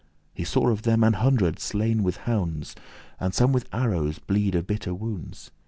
He saw of them an hundred slain with hounds, And some with arrows bleed of bitter wounds.